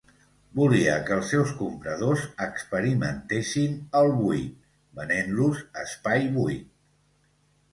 Volia que els seus compradors experimentessin El buit venent-los espai buit.